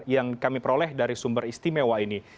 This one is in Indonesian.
yang kami peroleh dari sumber istimewa ini